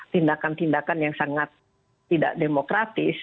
tindakan tindakan yang sangat tidak demokratis